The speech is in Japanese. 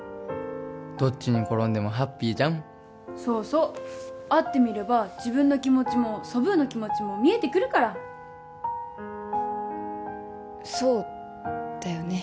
どっちに転んでもハッピーじゃんそうそう会ってみれば自分の気持ちもソブーの気持ちも見えてくるからそうだよね